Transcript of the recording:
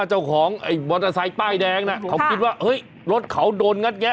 เจ้าของบอร์ตไซค์ป้ายแดงนะเขาคิดว่าฮึ้ยรถเขาโดนงั้นไง